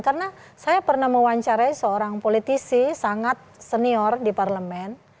karena saya pernah mewawancarai seorang politisi sangat senior di parlemen